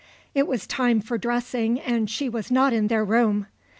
It was time for dressing and she was not in their room.